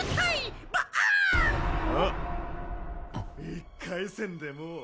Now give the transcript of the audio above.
１回戦でもう？